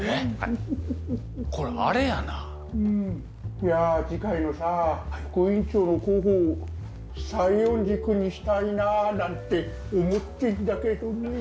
いやー、次回のさ、副院長の候補、西園寺君にしたいなあなんて思ってんだけどねぇ。